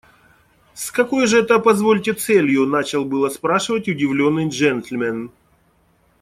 С какой же это, позвольте, целью? – начал было спрашивать удивленный джентльмен.